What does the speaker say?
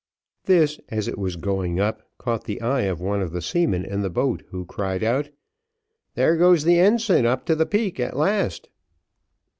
This, as it was going up, caught the eye of one of the seamen in the boat, who cried out, "There goes the ensign up to the peak at last."